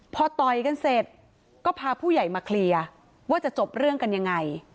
พอต่อยกันเสร็จก็พาผู้ใหญ่มาเคลียร์ว่าจะจบเรื่องกันยังไง